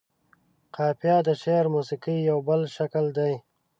قافيه د شعر موسيقۍ يو بل شکل دى.